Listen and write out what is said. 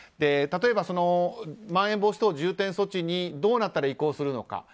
例えば、まん延防止等重点措置にどうなったら移行するのか。